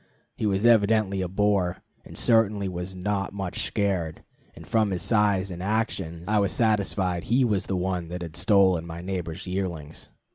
He was evidently a boar, and certainly was not much scared, and from his size and actions I was satisfied he was the one that had stolen my neighbor's yearlings.